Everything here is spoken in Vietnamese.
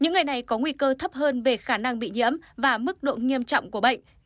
những ngày này có nguy cơ thấp hơn về khả năng bị nhiễm và mức độ nghiêm trọng của bệnh